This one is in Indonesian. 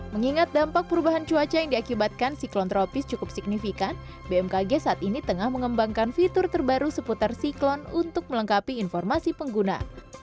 mengingat dampak perubahan cuaca yang diakibatkan siklon tropis cukup signifikan bmkg saat ini tengah mengembangkan fitur terbaru seputar siklon untuk melengkapi informasi pengguna